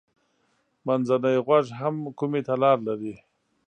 منځنی غوږ هم کومي ته لاره لري.